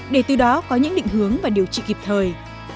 để từ đó có những định hướng và điều trị kịp thời